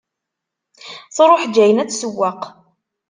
Truḥ Jane ad tsewweq.